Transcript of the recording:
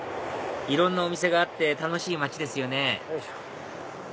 いろんなお店があって楽しい街ですよね